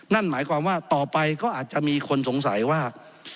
นั่นหมายความว่าต่อไปก็อาจจะมีคนสงสัยว่า